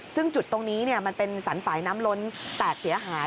ซึ่งจุดตรงนี้มันเป็นสรรฝ่ายน้ำล้นแตกเสียหาย